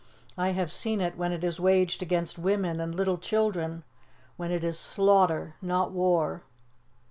I have seen it when it is waged against women and little children, when it is slaughter, not war.